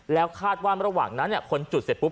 แล้วขาดว่าระหว่างนั้นพอจุดพี่คนมา